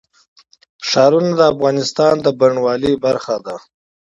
ښارونه د افغانستان د بڼوالۍ برخه ده.